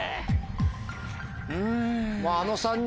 うん！